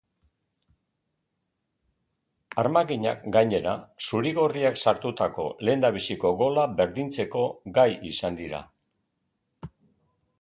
Armaginak, gainera, zuri-gorriak sartutako lehendabiziko gola berdintzeko gai izan dira.